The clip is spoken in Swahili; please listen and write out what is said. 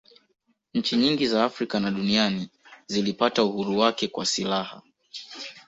nchi nyingi za afrika na duniani zilipata uhuru wake kwa silaha